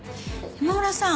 山村さん